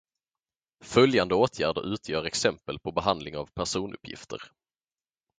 Följande åtgärder utgör exempel på behandling av personuppgifter.